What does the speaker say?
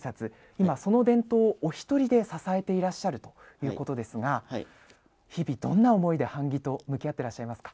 今、その伝統をお一人で支えていらっしゃるということですが日々どんな思いで版木と向き合ってらっしゃいますか？